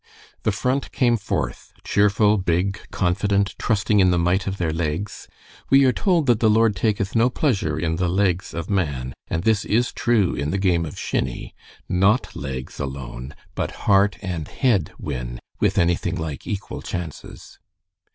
"The Front came forth, cheerful, big, confident, trusting in the might of their legs. We are told that the Lord taketh no pleasure in the legs of man, and this is true in the game of shinny. Not legs alone, but heart and head win, with anything like equal chances.